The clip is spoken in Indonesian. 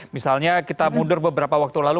misalnya kita mundur beberapa waktu lalu